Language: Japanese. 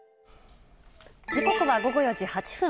時刻は午後４時８分。